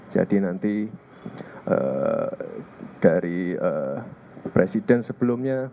jadi nanti dari presiden sebelumnya